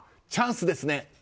チャンスですね！